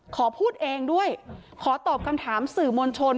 ขอพูดเองด้วยขอตอบคำถามสื่อมวลชน